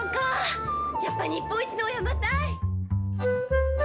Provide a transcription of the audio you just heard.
やっぱ日本一のお山たい！